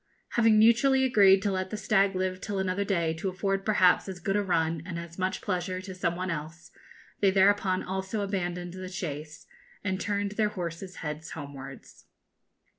Having mutually agreed to let the stag live till another day to afford perhaps as good a run and as much pleasure to some one else, they thereupon also abandoned the chase, and turned their horses' heads homewards.